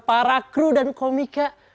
para kru dan komika